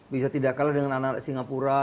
bisa tidak kalah dengan anak anak singapura